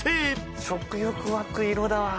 食欲湧く色だわ。